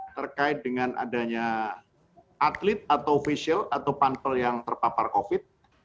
terkait dengan adanya atlet atau ofisial atau pantel yang terpapar covid sembilan belas